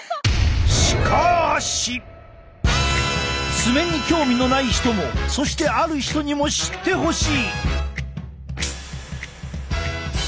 爪に興味のない人もそしてある人にも知ってほしい！